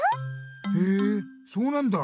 へえそうなんだ。